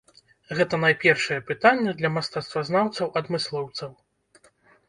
Гэта найпершае пытанне для мастацтвазнаўцаў-адмыслоўцаў.